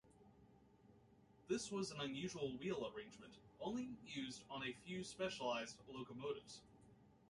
This was an unusual wheel arrangement, only used on a few specialised locomotives.